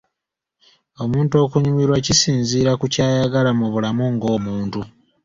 Omuntu okunyumirwa kisinziira ku ky'ayagala mu bulamu ng'omuntu.